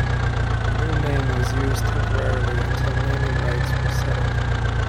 The new name was used temporarily until naming rights were settled.